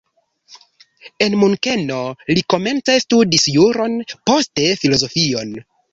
En Munkeno li komence studis juron, poste filozofion.